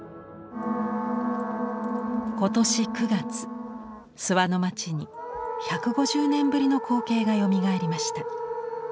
今年９月諏訪の町に１５０年ぶりの光景がよみがえりました。